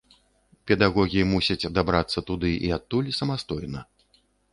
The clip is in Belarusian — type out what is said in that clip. Педагогі мусяць дабірацца туды і адтуль самастойна.